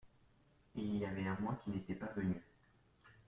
Il y avait un mois qu'il n'était pas venu.